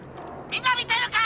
「みんな見てるか！